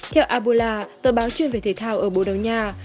theo abula tờ báo chuyên về thể thao ở bồ đào nha